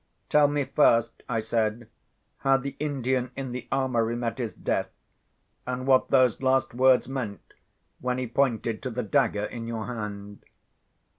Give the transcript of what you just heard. "Tell me first," I said, "how the Indian in the armoury met his death, and what those last words meant, when he pointed to the dagger in your hand."